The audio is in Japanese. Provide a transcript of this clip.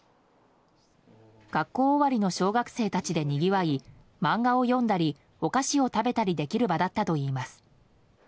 学校終わりの小学生たちでにぎわい漫画を読んだりお菓子を食べたりできる場だったといいます。